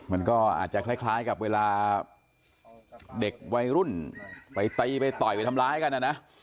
มันก็อาจจะคล้ายกับเวลาเด็กวัยรุ่นไปตีไปต่อยไปทำร้ายกันนะนะ